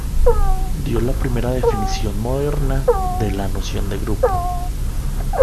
Dio la primera definición moderna de la noción de grupo.